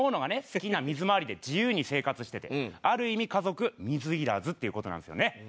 好きな水回りで自由に生活しててある意味家族水入らずっていう事なんですよね。